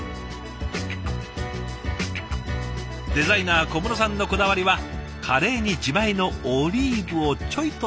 デザイナー小室さんのこだわりはカレーに自前のオリーブをちょいと添えること。